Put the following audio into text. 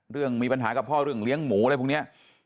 มีปัญหากับพ่อเรื่องเลี้ยงหมูอะไรพวกนี้